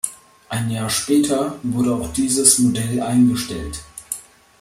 Ein Jahr später wurde auch dieses Modell eingestellt.